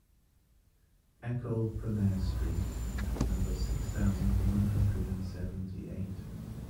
Ecole Primaire street at number six thousand one hundred and seventy-eight